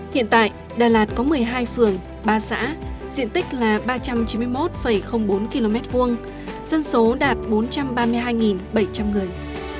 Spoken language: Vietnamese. hiện tại đà lạt có một mươi hai phường ba xã diện tích là ba trăm chín mươi một bốn km hai dân số đạt bốn trăm ba mươi hai bảy trăm linh người